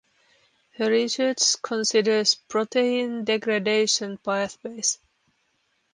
Her research considers protein degradation pathways.